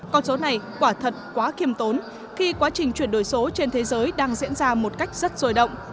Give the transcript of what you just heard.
con số này quả thật quá kiêm tốn khi quá trình chuyển đổi số trên thế giới đang diễn ra một cách rất rôi động